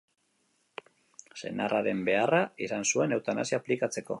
Senarraren beharra izan zuen eutanasia aplikatzeko.